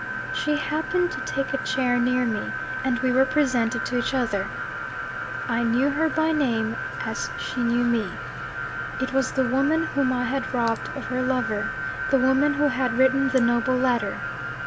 She happened to take a chair near me; and we were presented to each other. I knew her by name, as she knew me. It was the woman whom I had robbed of her lover, the woman who had written the noble letter.